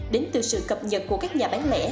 đến từ sự cập nhật của các nhà bán lẻ